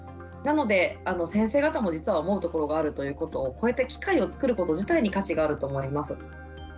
なので先生方も実は思うところがあるということをこうやって機会を作ること自体に価値があると思います。